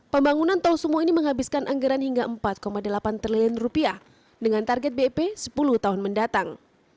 pembangunan tol sumo ini menghabiskan anggaran hingga empat delapan triliun dengan target bep sepuluh tahun mendatang